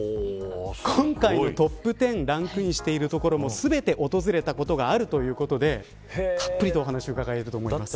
今回のトップ１０ランクインしている所も全て訪れたことがあるということでたっぷりとお話を伺いたいと思います。